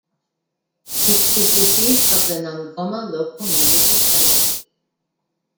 It is the seat of the Nongoma Local Municipality.